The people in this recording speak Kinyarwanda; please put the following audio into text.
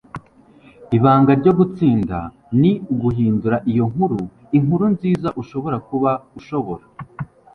ibanga ryo gutsinda ni uguhindura iyo nkuru inkuru nziza ushobora kuba ushobora